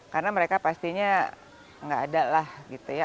karena mereka pastinya nggak ada lah gitu ya